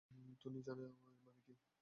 তুমি জানো এর মানে কী?